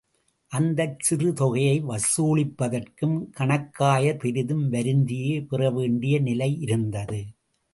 அந்தச் சிறு தொகையை வசூலிப்பதற்கும் கணக்காயர் பெரிதும் வருந்தியே பெறவேண்டிய நிலை இருந்தது.